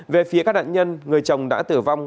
về phía các nạn nhân người chồng đã tử vong